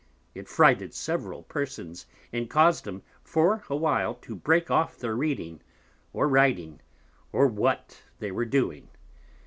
It frighted several Persons, and caus'd 'em for a while to break off their Reading, or Writing, or what they were doing.